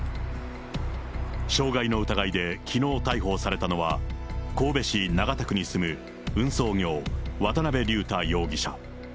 傷害の疑いできのう逮捕されたのは、神戸市長田区に住む運送業、渡辺竜太容疑者。